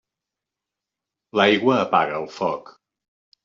L'aigua apaga el foc.